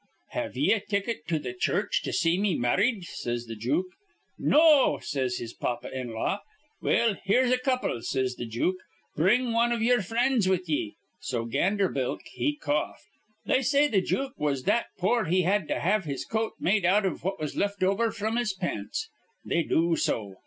'Have ye a ticket to th' church to see me marrid?' says th' jook. 'No,' says his pappa in law. 'Well, here's a couple,' says th' jook. 'Bring wan iv ye'er frinds with ye.' So Ganderbilk he coughed. "They say th' jook was that poor he had to have his coat made out iv what was left over fr'm his pants, they do so.